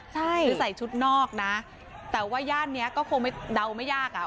ใช่หรือใส่ชุดนอกนะแต่ว่าย่านเนี้ยก็คงไม่เดาไม่ยากอ่ะ